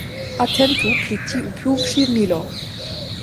Atentu pri tiu pluvŝirmilo!